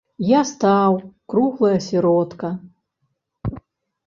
Я стаў круглая сіротка.